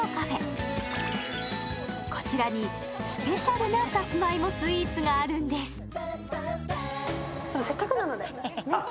こちらにスペシャルなさつまいもスイーツがあるんです。